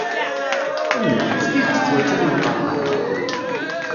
Amek, s tidet ttwaččan imqerqar?